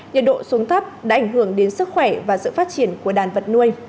nhiệt độ xuống thấp đã ảnh hưởng đến sức khỏe và sự phát triển của đàn vật nuôi